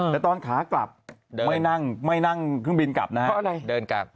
แต่ตอนขากลับไม่นั่งเครื่องบินกลับนะครับเพราะอะไรเดินกลับ